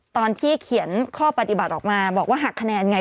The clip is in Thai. ตอนที่เขียนข้อปฏิบัติออกมาบอกว่าหักคะแนนไง